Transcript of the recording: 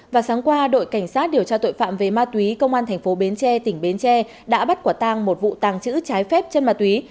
và sáng qua đội cảnh sát điều tra tội phạm về ma túy công an thành phố bến tre tỉnh bến tre đã bắt quả tang một vụ tàng trữ trái phép chân ma túy